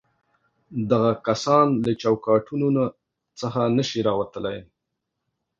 دغه کسان له چوکاټونو څخه نه شي راوتلای.